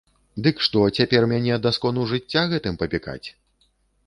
Дык што, цяпер мяне да скону жыцця гэтым папікаць?